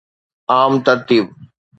عام ترتيب